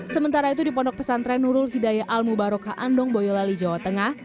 sementara itu di pondok pesantren nurul hidayah al mubarokah andong boyolali jawa tengah